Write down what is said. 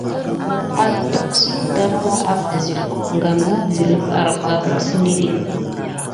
Ətafsu ɗanla à va silko gam asiyik daki naku neku na pay.